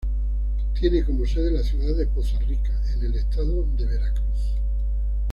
Tiene como sede la ciudad de Poza Rica en el Estado de Veracruz.